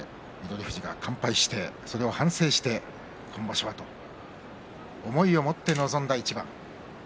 富士が完敗してそれを反省して今場所はと思いを持って臨んだ一番。